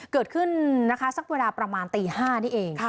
เกิดขึ้นนะคะสักเวลาประมาณตี๕นี่เอง